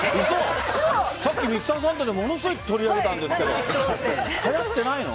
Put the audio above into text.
さっき「Ｍｒ．サンデー」でものすごい取り上げたんですけどはやってないの？